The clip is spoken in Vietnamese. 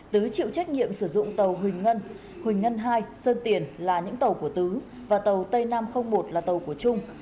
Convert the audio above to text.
tứ chịu trách nhiệm sử dụng tàu huỳnh ngân huỳnh ngân hai sơn tiền là những tàu của tứ và tàu tây nam một là tàu của trung